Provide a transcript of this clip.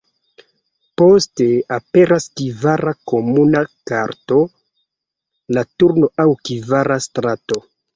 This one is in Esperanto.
Poste, aperas kvara komuna karto, la turno aŭ 'kvara strato'.